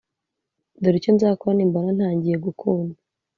Dore icyo nzakora nimbona ntangiye gukunda